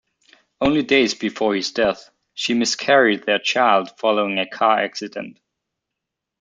Only days before his death, she miscarried their child following a car accident.